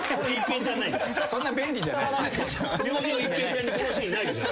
明星一平ちゃんにこのシーンないですよ。